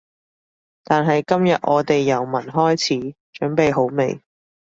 但係今日我哋由聞開始，準備好未？